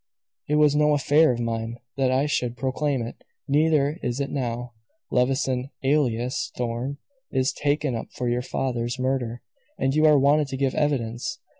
It was no affair of mine, that I should proclaim it, neither is it now. Levison alias Thorn is taken up for your father's murder, and you are wanted to give evidence.